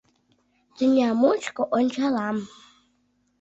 Тӱня мучко ончалам.